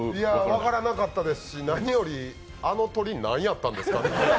分からなかったですし、何よりあの鳥、何やったんですか？